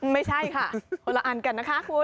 ไม่ใช่ค่ะคนละอันกันนะคะคุณ